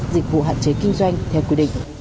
dịch vụ hạn chế kinh doanh theo quy định